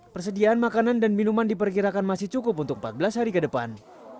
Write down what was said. persediaan makanan dan minuman diperkirakan masih cukup untuk empat belas hari ke depan